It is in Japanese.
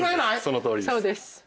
そのとおりです。